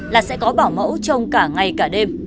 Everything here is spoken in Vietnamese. là sẽ có bảo mẫu trong cả ngày cả đêm